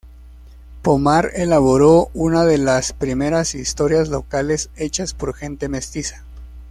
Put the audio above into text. Pomar elaboró una de las primeras historias locales hechas por gente mestiza.